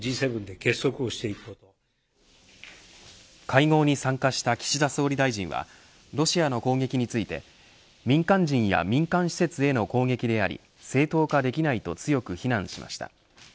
会合に参加した岸田総理大臣はロシアの攻撃について民間人や民間施設への攻撃であり正当化できないと強く非難しました。